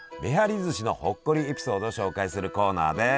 ずしのほっこりエピソードを紹介するコーナーです！